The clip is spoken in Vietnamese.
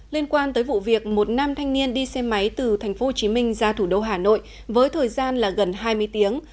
liên quan tới vụ việc một nam thanh niên đi xe máy từ tp hcm ra thủ đô hà nội với thời gian là gần hai mươi tiếng